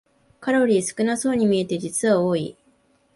カロリー少なそうに見えて実は多い